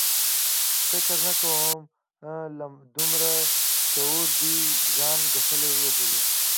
فکر نه کوم له دومره شعور دې یې ځان ګټلی وبولي.